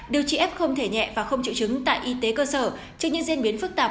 điều trị f không thể nhẹ và không chịu chứng tại y tế cơ sở trước những diễn biến phức tạp